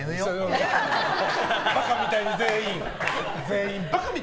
バカみたいに全員。